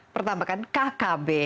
pertama kan kkb